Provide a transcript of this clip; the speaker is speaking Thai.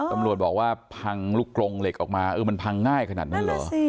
ตำรวจบอกว่าพังลูกกรงเหล็กออกมาเออมันพังง่ายขนาดนั้นเหรอ